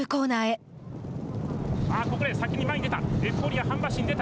ここで先に前に出た。